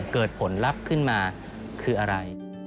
เกิดผลลัพธ์ขึ้นมาคืออะไร